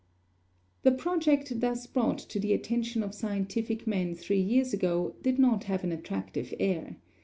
The project thus brought to the attention of scientific men three years ago did not have an attractive air.